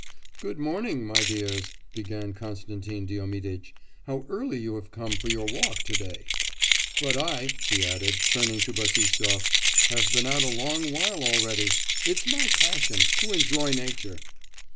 'Good morning, my dears,' began Konstantin Diomiditch, 'how early you have come for your walk to day! But I,' he added, turning to Bassistoff, 'have been out a long while already; it's my passion to enjoy nature.